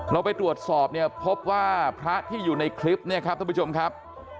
เราไปตรวจสอบเนี่ยพบว่าพระที่อยู่ในคลิปเนี่ยครับท่านผู้ชมครับ